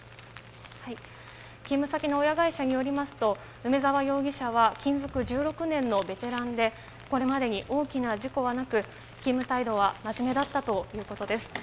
勤務先の親会社によりますと梅沢容疑者は勤続１６年のベテランでこれまでに大きな事故はなく勤務態度は真面目だったということです。